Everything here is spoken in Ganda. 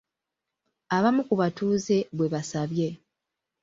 Abamu ku batuuze bwe basabye.